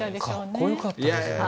かっこよかったですね。